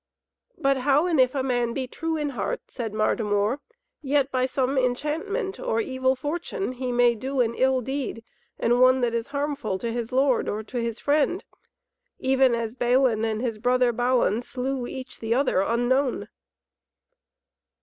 "But how and if a man be true in heart," said Martimor, "yet by some enchantment, or evil fortune, he may do an ill deed and one that is harmful to his lord or to his friend, even as Balin and his brother Balan slew each the other unknown?"